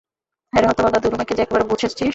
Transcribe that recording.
হ্যাঁরে হতভাগা, ধুলো মেখে যে একেবারে ভূত সেজেছিস?